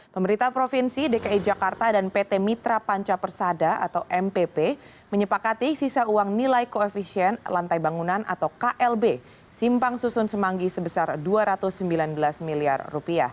pemerintah provinsi dki jakarta dan pt mitra panca persada atau mpp menyepakati sisa uang nilai koefisien lantai bangunan atau klb simpang susun semanggi sebesar rp dua ratus sembilan belas miliar